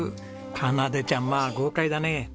花奏ちゃんまあ豪快だね。